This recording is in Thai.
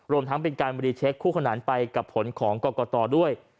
รวมทั้งเป็นการรีเช็คคู่ขนานไปกับผลของกรกตด้วย